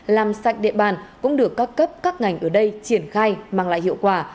làm sạch địa bàn cũng được các cấp các ngành ở đây triển khai mang lại hiệu quả